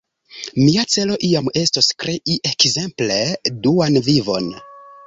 Mia celo iam estos krei, ekzemple, Duan Vivon.